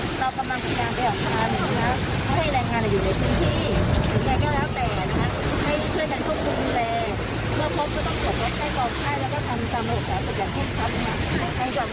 มันจะธูปให้บอปไข้และซัมมหุ่ยวิจัยกันข้อสิบจับมอง